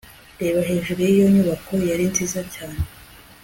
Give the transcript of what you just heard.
Reba hejuru yiyo nyubako yari nziza cyane